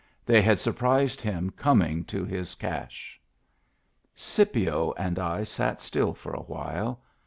They had surprised him coming to his cache. Scipio and I sat still for a while.